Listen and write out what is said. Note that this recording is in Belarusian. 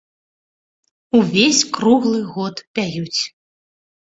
Увесь круглы год пяюць.